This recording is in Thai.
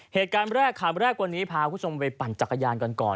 เหตุการณ์แรกข่าวแรกวันนี้พาคุณผู้ชมไปปั่นจักรยานกันก่อน